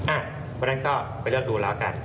เพราะฉะนั้นก็ไปเลือกดูแล้วกัน